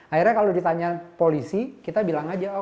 akhirnya kalau ditanya polisi kita bilang aja